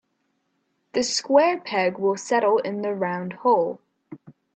The square peg will settle in the round hole.